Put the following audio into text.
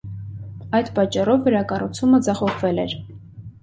Այդ պատճառով վերակառուցումը ձախողվել էր.։